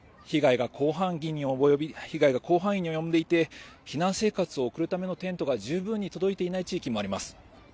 被害が広範囲に及んでいて避難生活を送るためのテントが十分に届いていない地域もあります。